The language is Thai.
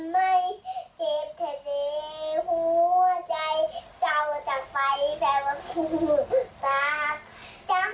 แต่ยังยังคือเห็นอายใจเจ็บใจแค่น้อ